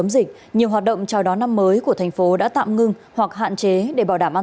xin chào các bạn